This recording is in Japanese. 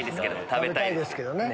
食べたいですけどね。